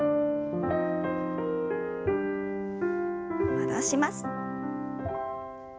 戻します。